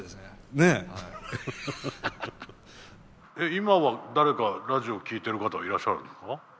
今は誰かラジオ聴いている方はいらっしゃるんですか？